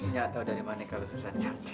nyata udah dimana kalau susah cantik